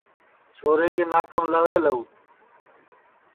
چھورے کے ناکام لہوے لہو